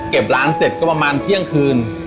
ร้านเสร็จก็ประมาณเที่ยงคืน